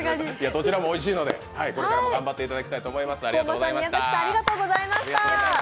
どちらもおいしいので、これからも頑張っていただきたいと思います。